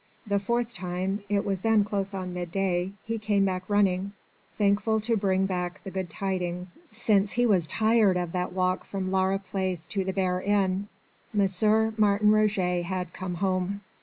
The fourth time it was then close on midday he came back running thankful to bring back the good tidings, since he was tired of that walk from Laura Place to the Bear Inn. M. Martin Roget had come home.